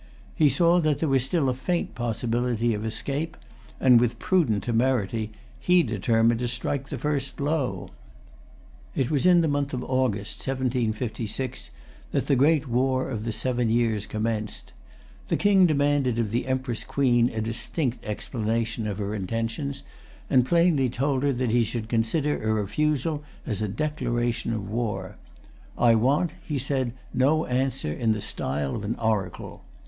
He saw that there was still a faint possibility of escape; and, with prudent temerity, he determined to strike the first blow. It was in the month of August, 1756, that the great war of the Seven Years commenced. The King demanded of the Empress Queen a distinct explanation of her intentions, and plainly told her that he should consider a refusal as a declaration of war. "I want,"[Pg 304] he said, "no answer in the style of an oracle."